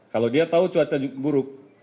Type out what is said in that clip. kalau dia tahu cuaca buruk